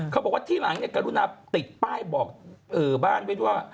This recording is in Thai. เขาบอกว่าที่หลังเนี่ยกรุณาติดป้ายบอกบ้านไว้ด้วย